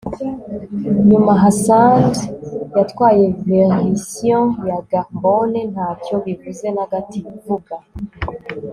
nyuma hansard yatwaye verisiyo ya garbone, ntacyo bivuze na gato. ivuga